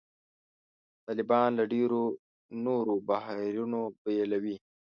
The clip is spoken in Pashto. طالبان له ډېرو نورو بهیرونو بېلوي.